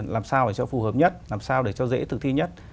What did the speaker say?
làm sao để cho phù hợp nhất làm sao để cho dễ thực thi nhất